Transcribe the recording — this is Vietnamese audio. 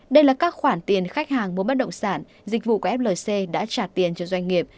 đây là các khoản tiền khách hàng mua bất động sản dịch vụ của flc đã trả tiền cho doanh nghiệp